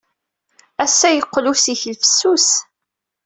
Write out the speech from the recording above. Ass-a, yeqqel ussikel fessus.